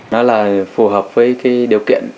nó là phù hợp với điều kiện